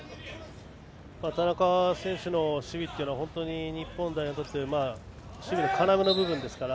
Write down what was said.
田中選手の守備は本当に日本代表にとって守備の要の部分ですから。